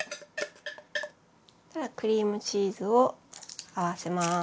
クリームチーズを合わせます。